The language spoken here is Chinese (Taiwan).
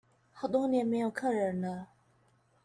好多年沒有客人了